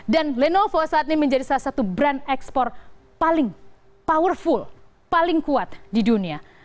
dan lenovo saat ini menjadi salah satu brand ekspor paling powerful paling kuat di dunia